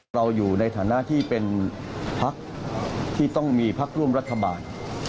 เราอยู่ในฐานะที่เป็นพักที่ต้องมีพักร่วมรัฐบาล